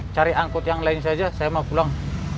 cari angkut yang lain saja saya mau pulang